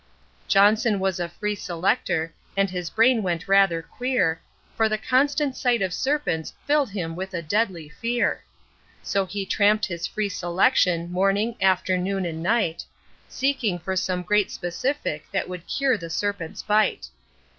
Johnson was a free selector, and his brain went rather queer, For the constant sight of serpents filled him with a deadly fear; So he tramped his free selection, morning, afternoon, and night, Seeking for some great specific that would cure the serpent's bite.